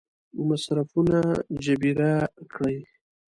مصرفونه جبیره کړي.